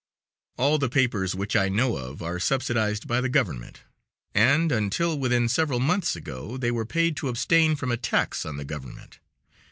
All the papers which I know of are subsidized by the government, and, until within several months ago, they were paid to abstain from attacks on the government.